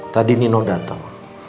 tadi nino datang